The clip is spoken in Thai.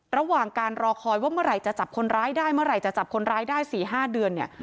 ระหว่างการรอคอยว่าเมื่อไหร่จะจับคนร้ายได้เมื่อไหร่จะจับคนร้ายได้๔๕เดือนเนี่ย